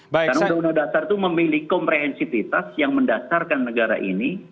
karena undang undang dasar itu memiliki komprehensifitas yang mendasarkan negara ini